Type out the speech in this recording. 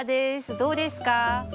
どうですか？